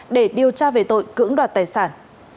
để điều tra về tội cưỡng đoạt tài sản